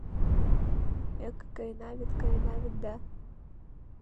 Эк, каена вет, каена вет да